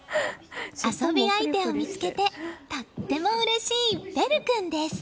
遊び相手を見つけてとってもうれしい、ベル君です。